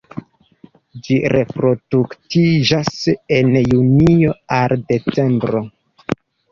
Ĝi reproduktiĝas el junio al decembro.